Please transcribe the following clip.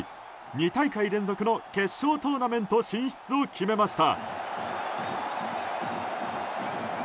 ２大会連続の決勝トーナメント進出を決めました。